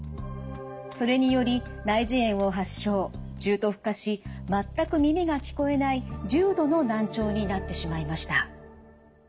それにより内耳炎を発症重篤化し全く耳が聞こえない重度の難聴になってしまいました。